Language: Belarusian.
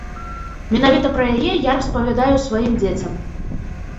Менавіта пра яе я распавядаю сваім дзецям.